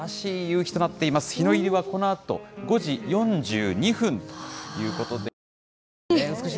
日の入りはこのあと５時４２分と美しい。